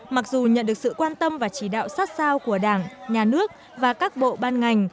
mặc dù nhận được sự quan tâm và chỉ đạo sát sao của đảng nhà nước và các bộ ban ngành